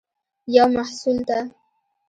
یو محصول ته